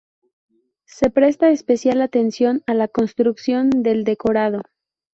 Se presta especial atención a la construcción del decorado.